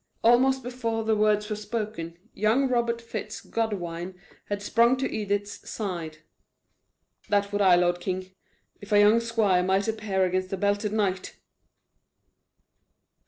Almost before the words were spoken young Robert Fitz Godwine had sprung to Edith's side. "That would I, lord king, if a young squire might appear against a belted knight!"